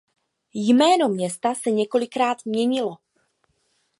Jméno města se několikrát měnilo.